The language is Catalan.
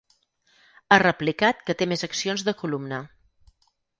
Ha replicat que té més accions de Columna.